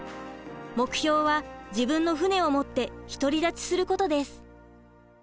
目標は自分の船を持って独り立ちすることです。